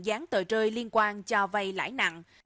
dán tờ rơi liên quan cho vai lãi nặng